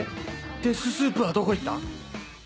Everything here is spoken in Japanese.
デス・スープはどこ行った？